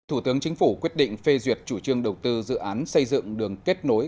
thủ tướng chính phủ quyết định phê duyệt chủ trương đầu tư dự án xây dựng đường kết nối